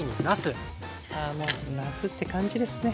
あもう夏って感じですね。